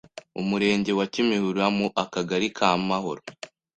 Umurenge wa Kimihurura mu Akagari k’Amahoro,